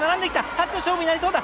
タッチの勝負になりそうだ！